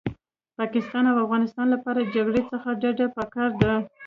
پاکستان او افغانستان لپاره جګړې څخه ډډه پکار ده